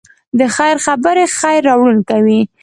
د خیر خبرې خیر راوړونکی وي.